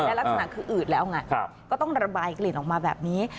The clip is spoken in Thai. ลักษณะคืออืดแล้วไงก็ต้องระบายกลิ่นออกมาแบบนี้